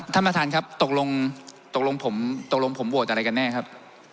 ท่านประธานครับตกลงผมโหวตอะไรกันแน่ครับ